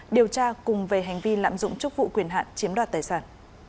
điều tra cùng về hành vi lạm dụng chức vụ quyền hạn chiếm đoạt tài sản